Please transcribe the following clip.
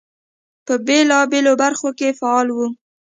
په بېلابېلو برخو کې فعال وو.